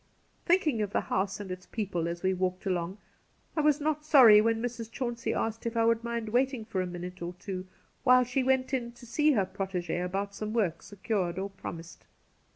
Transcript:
Thinking af the house and its people as we walked along, I was not sorry when Mrs. Chauncey asked if I would mind waiting for a minute or two while she went in to see her protegee about some work secured or promised.